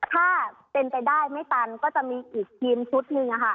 ถ้าเป็นไปได้ไม่ตันก็จะมีอีกทีมชุดหนึ่ง